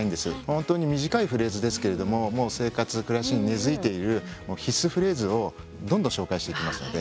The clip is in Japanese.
本当に短いフレーズですけれども生活、暮らしに根づいている必須フレーズをどんどん紹介していきますので。